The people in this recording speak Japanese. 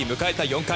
４回。